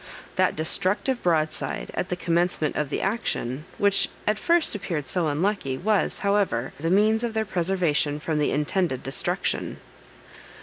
That destructive broadside at the commencement of the action, which at first appeared so unlucky, was, however, the means of their preservation from the intended destruction.